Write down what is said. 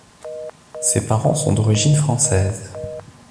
Ses parents sont d'origine française.